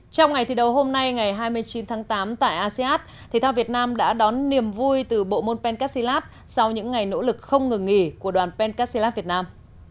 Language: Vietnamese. trong ngày thi đấu hôm nay ngày hai mươi chín tháng tám tại asean thể thao việt nam đã đón niềm vui từ bộ mon pencastilat sau những ngày nỗ lực không ngừng nghỉ của đoàn pencastilat việt nam